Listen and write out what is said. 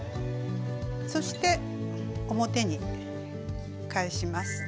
そして表に返します。